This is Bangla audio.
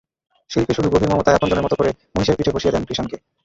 শিল্পী শুধু গভীর মমতায় আপনজনের মতো করে মহিষের পিঠে বসিয়ে দেন কৃষাণকে।